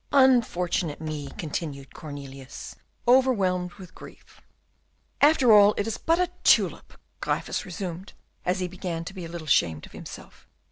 "Unfortunate me," continued Cornelius, overwhelmed with grief. "After all, it is but a tulip," Gryphus resumed, as he began to be a little ashamed of himself.